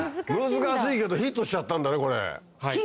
難しいけどヒットしちゃったんだねこれ。